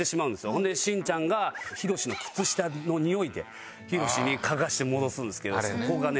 それでしんちゃんがひろしの靴下のにおいでひろしに嗅がせて戻すんですけどそこがね